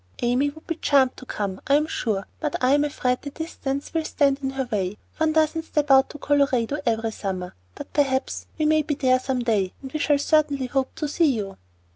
Amy would be charmed to come, I am sure, but I am afraid the distance will stand in her way. One doesn't 'step out' to Colorado every summer, but perhaps we may be there some day, and then we shall certainly hope to see you."